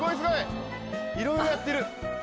いろいろやってる！